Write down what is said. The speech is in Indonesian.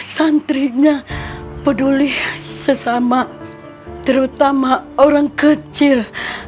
santrinya peduli sesama terutama orang kecil